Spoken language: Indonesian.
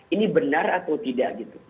ini benar atau tidak